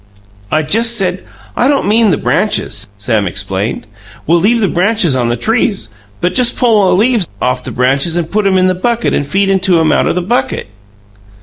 "I just said " "I don't mean the branches," Sam explained. "We'll leave the branches on the trees, but just pull the leaves off the branches and put 'em in the bucket and feed 'em to him out of the bucket."